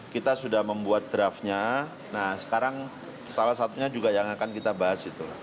kita sudah membuat draftnya nah sekarang salah satunya juga yang akan kita bahas itu